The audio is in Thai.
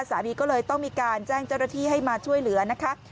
สามีก็เลยต้องมีการแจ้งเจ้าหน้าที่ให้มาช่วยเหลือนะคะ